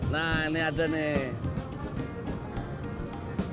nah ini ada nih